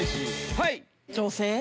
はい！